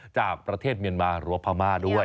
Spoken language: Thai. จากประเทศเมียนมาหรือว่าพม่าด้วย